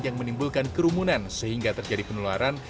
yang menimbulkan kerumunan sehingga terjadi penularan